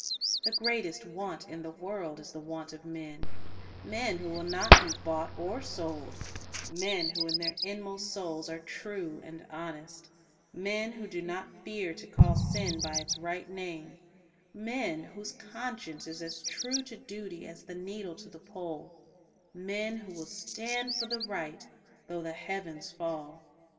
The greatest want of the world is the want of men, — men who will not be bought or sold; men who in their inmost souls are true and honest; men who do not fear to call sin by its right name; men whose conscience is as true to duty as the needle to the pole; men who will stand for the right though the heavens fall.